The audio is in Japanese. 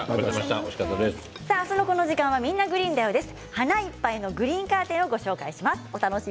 明日のこの時間は「みんな！グリーンだよ」です。